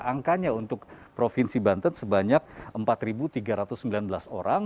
angkanya untuk provinsi banten sebanyak empat tiga ratus sembilan belas orang